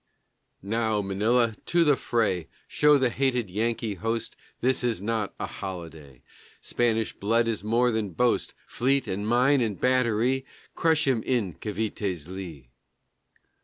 Now, Manila, to the fray! Show the hated Yankee host This is not a holiday, Spanish blood is more than boast. Fleet and mine and battery, Crush him in Cavité's lee!